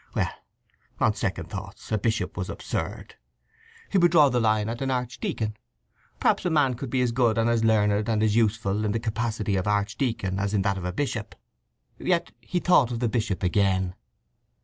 Well, on second thoughts, a bishop was absurd. He would draw the line at an archdeacon. Perhaps a man could be as good and as learned and as useful in the capacity of archdeacon as in that of bishop. Yet he thought of the bishop again.